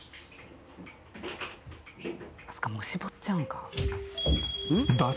まさかもう絞っちゃうんか？